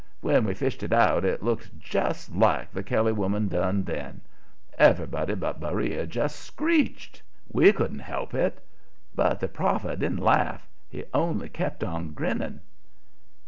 When we fished it out it looked just like the Kelly woman done then. Everybody but Beriah just screeched we couldn't help it. But the prophet didn't laugh; he only kept on grinning.